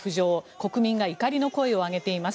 国民が怒りの声を上げています。